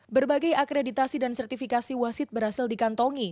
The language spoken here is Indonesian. berbagai akreditasi dan sertifikasi wasit berhasil dikantongi